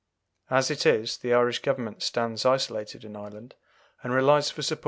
As it is, the Irish Government stands isolated in Ireland, and relies for support solely on England.